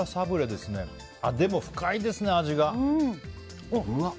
でも深いですね、味が。